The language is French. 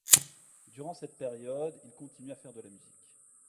Durant cette période, il continue à faire de la musique.